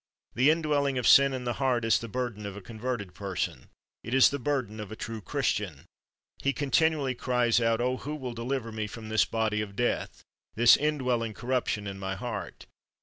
The indwelling of sin in the heart is the burden of a converted person; it is the burden of a true Christian. He continually cries out: "Oh! who will deliver me from this body of death, this indwelling corruption in my heart